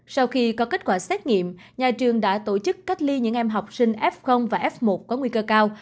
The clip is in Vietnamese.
sau khi có kết quả xét nghiệm nhà trường đã tổ chức cách ly những em học sinh f và f một có nguy cơ cao